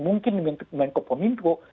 mungkin di menteri kepomintwo